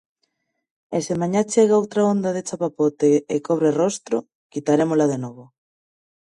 E se mañá chega outra onda de chapapote e cobre Rostro, quitarémola de novo.